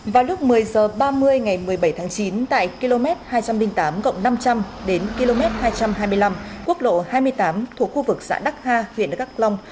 vào lúc một mươi h ba mươi ngày một mươi bảy tháng chín tại km hai trăm linh tám năm trăm linh đến km hai trăm hai mươi năm quốc lộ hai mươi tám thuộc khu vực xã đắc ha huyện đắc long